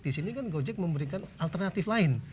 di sini kan gojek memberikan alternatif lain